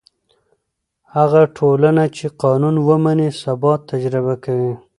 هغه ټولنه چې قانون ومني، ثبات تجربه کوي.